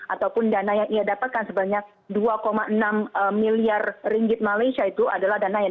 ataupun dana yang ia dapatkan sebanyak dua enam miliar ringgit malaysia itu adalah dana yang